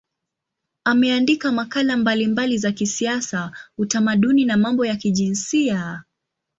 Ameandika makala mbalimbali za kisiasa, utamaduni na mambo ya kijinsia.